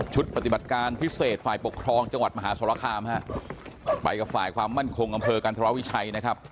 ชุดปฏิบัดการพิเศษฝ่าปกครองจังหวัดมหาสรคามไปกับฝ่าความมั่นคงการทะเลาวิชัยนะครับ